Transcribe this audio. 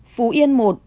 phú yên một